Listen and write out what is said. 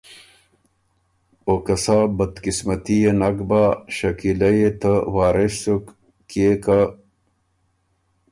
او که سَۀ بدقسمتي يې خه نک بۀ شکیلۀ يې ته وارث سُک، کيې که